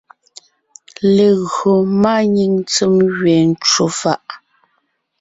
Légÿo máanyìŋ ntsèm gẅeen ncwò fàʼ,